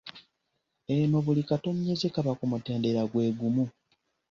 Eno buli katonnyeze kaba ku mutendera gwe gumu